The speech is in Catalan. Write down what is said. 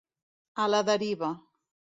A la deriva.